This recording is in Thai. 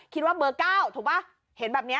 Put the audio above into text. คิดว่าเบอร์๙ถูกป่ะเห็นแบบนี้